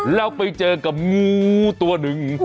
แล้วไปเจอกับงูตัวหนึ่ง